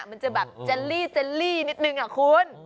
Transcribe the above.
มันจะแบบเจลลี่นิดนึงอะคุณ